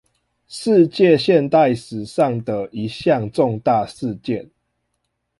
世界現代史上的一項重大事件